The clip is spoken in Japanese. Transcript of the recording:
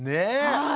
はい。